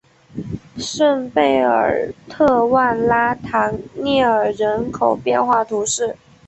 圣贝尔特万拉唐涅尔人口变化图示